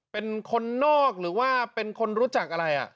เป็นคนนอกหรือว่าเป็นคนรู้จักอะไร